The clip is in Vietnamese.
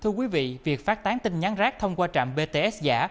thưa quý vị việc phát tán tin nhắn rác thông qua trạm bts giả